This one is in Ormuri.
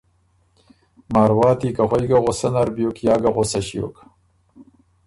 مارواتی که خوئ ګه غصه نر بیوک، یا ګه غُصه ݭیوک،